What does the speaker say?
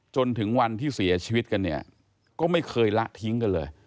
จนถึงวันที่เสียชีวิตกันเนี่ยก็ไม่เคยละทิ้งกันเลย